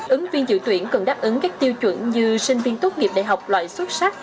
ứng viên dự tuyển cần đáp ứng các tiêu chuẩn như sinh viên tốt nghiệp đại học loại xuất sắc